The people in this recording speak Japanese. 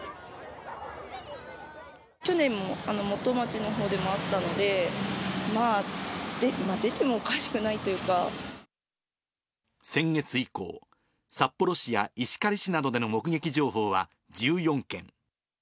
去年も元町のほうでもあったので、まあ、先月以降、札幌市や石狩市などでの目撃情報は１４件。